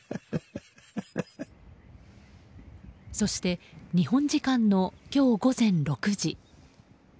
そして日本時間の今日午前６時。